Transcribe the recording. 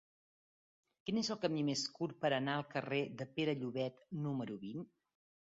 Quin és el camí més curt per anar al carrer de Pere Llobet número vint?